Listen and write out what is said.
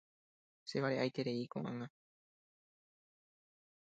Chevare'aiterei ko'ág̃a.